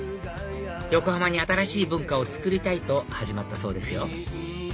横浜に新しい文化をつくりたいと始まったそうですよ